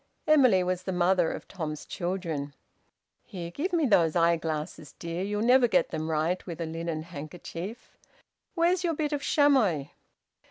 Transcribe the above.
(Emily was the mother of Tom's children.) "Here, give me those eyeglasses, dear. You'll never get them right with a linen handkerchief. Where's your bit of chamois?"